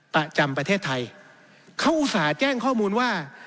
ประจำประเทศไทยเขาอุตส่าห์แจ้งข้อมูลว่า